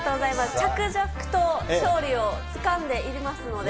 着々と勝利をつかんでいますので。